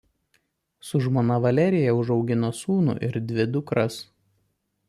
Su žmona Valerija užaugino sūnų ir dvi dukras.